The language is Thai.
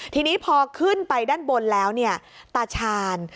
ทีนี้พอขึ้นไปด้านบนแล้วตาชาน